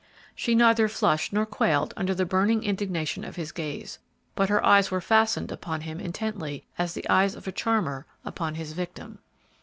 She neither flushed nor quailed under the burning indignation of his gaze, but her eyes were fastened upon him intently as the eyes of the charmer upon his victim.